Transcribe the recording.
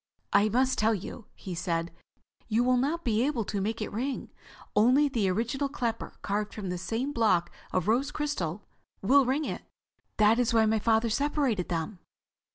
"I must tell you," he said, "you will not be able to make it ring. Only the original clapper, carved from the same block of rose crystal, will ring it. That is why my father separated them."